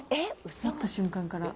持った瞬間から。